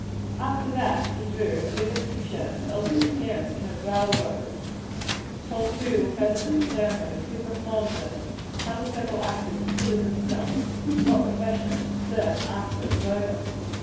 After that he drew a vivid picture of Elsie's appearance in her bridal robes, told who were present at the ceremony, who performed it, how the several actors acquitted themselves, and what refreshments were served after it was over.